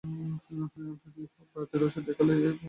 যদিও প্রাপ্তি রসিদ দেখালেই ওই বুথ থেকে কর কার্ড দেওয়া হচ্ছে।